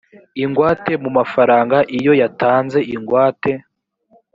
ingwate mu mafaranga iyo yatanze ingwate